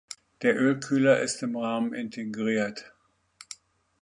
Der Ölkühler ist im Rahmen integriert.